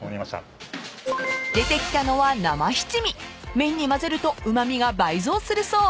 ［麺にまぜるとうま味が倍増するそう］